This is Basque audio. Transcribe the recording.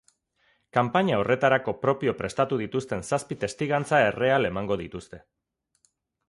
Kanpaina horretarako propio prestatu dituzten zazpi testigantza erreal emango dituzte.